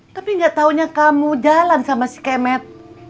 tapi gak taunya kamu jalan sama si kemet